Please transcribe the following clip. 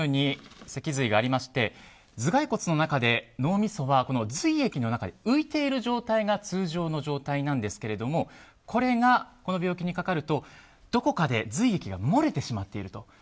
脊髄がありまして頭蓋骨の中で脳みそは髄液の中に浮いている状態が通常の状態なんですがこれがこの病気にかかるとどこかで髄液が漏れてしまっていると。